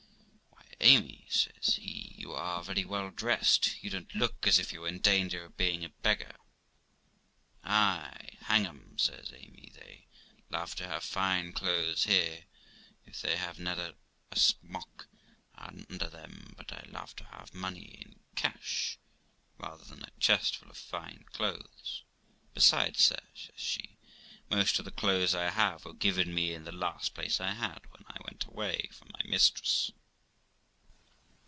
'Why, Amy', says he, 'you are very well dressed; you don't look as if you were in danger of being a beggar.' ' Ay, hang 'em !' says Amy, ' they love to have fine clothes here, if they have never a smock under them. But I love to have money in cash, rather than a chestful of fine clothes. Besides, sir', says she, 'most of the clothes I have were given me in the last place I had, when I went away from my mistress.'